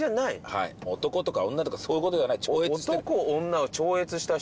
はい男とか女とかそういうことではない超越してる男女を超越した人？